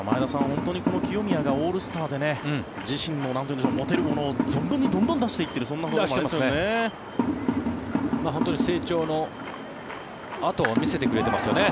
本当にこの清宮がオールスターで自身の持てるものを存分にどんどん出していっているそんなところもありますね。